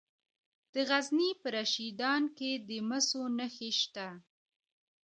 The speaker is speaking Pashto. د غزني په رشیدان کې د مسو نښې شته.